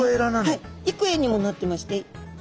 はい幾重にもなってまして。